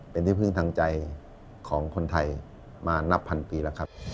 เป็นที่พึ่งทางใจของคนไทยมานับพันปีแล้วครับ